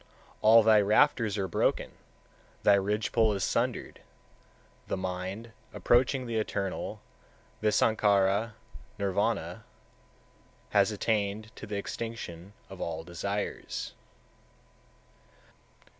All thy rafters are broken, thy ridge pole is sundered; the mind, approaching the Eternal (visankhara, nirvana), has attained to the extinction of all desires.